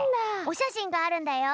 おしゃしんがあるんだよ。